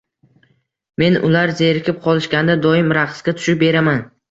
Men ular zerikib qolishganda doim raqsga tushib beraman.